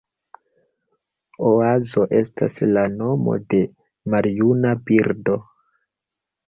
Oazo estas la nomo de maljuna birdo.